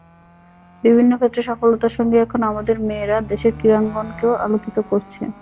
বিভিন্ন ক্ষেত্রে সফলতার সঙ্গে এখন আমাদের মেেয়রা দেশের ক্রীড়াঙ্গনকেও আলোকিত করছে।